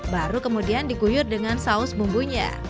baru kemudian diguyur dengan saus bumbunya